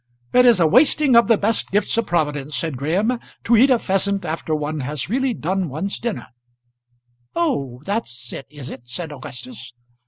"It is a wasting of the best gifts of Providence," said Graham, "to eat a pheasant after one has really done one's dinner." "Oh, that's it, is it?" said Augustus.